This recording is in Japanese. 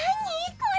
これ。